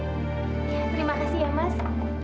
terima kasih ya mas